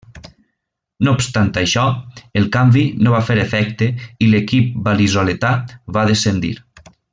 No obstant això, el canvi no va fer efecte i l'equip val·lisoletà va descendir.